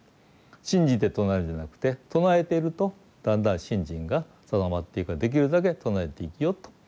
信じて唱えるんじゃなくて唱えているとだんだん信心が定まっていくからできるだけ唱えて生きよと。